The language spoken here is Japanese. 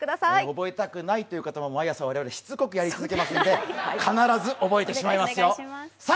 覚えたくないという方も、我々毎日しつこくやり続けますので、必ず覚えてしまいますよ。